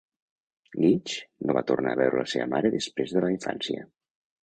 Geach no va tornar a veure la seva mare després de la infància.